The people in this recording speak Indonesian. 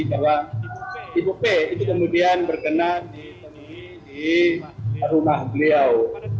bahwa ibu p itu kemudian berkenan ditemui di rumah beliau